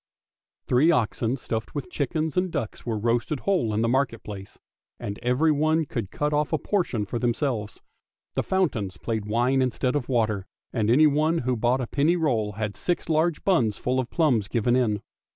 Three oxen stuffed with chickens and ducks were roasted whole in the market place, and everyone could cut off a portion for themselves. The fountains played wine instead of water, and anyone who bought a penny roll had six large buns full of plums given in.